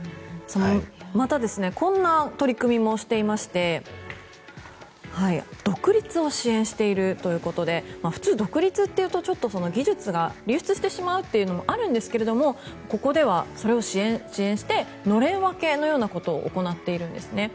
またこんな取り組みもしていまして独立を支援しているということで普通、独立というと技術が流出してしまうというのもあるんですがここではそれを支援してのれん分けのようなことを行っているんですね。